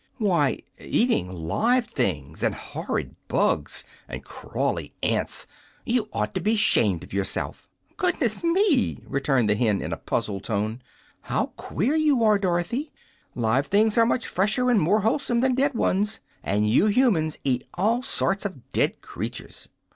"Why, eating live things, and horrid bugs, and crawly ants. You ought to be 'SHAMED of yourself!" "Goodness me!" returned the hen, in a puzzled tone; "how queer you are, Dorothy! Live things are much fresher and more wholesome than dead ones, and you humans eat all sorts of dead creatures."